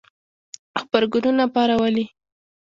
غبرګونونه پارولي